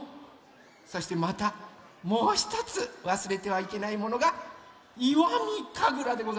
そしてまたもうひとつわすれてはいけないものが石見神楽でございます。